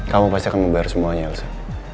kamu pasti akan membayar semuanya elsa